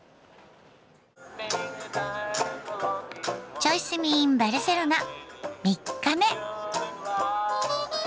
「チョイ住みｉｎバルセロナ」３日目。